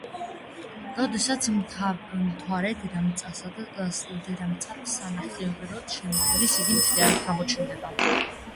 როდესაც მთვარე დედამიწას სანახევროდ შემოუვლის, იგი მთლიანად გამოჩნდება.